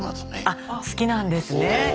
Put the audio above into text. あっ好きなんですね。